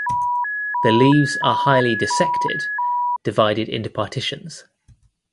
The leaves are highly dissected (divided into partitions).